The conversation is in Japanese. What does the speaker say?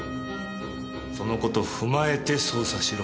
そのことを踏まえて捜査しろ。